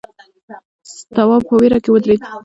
تواب په وېره کې ودرېد.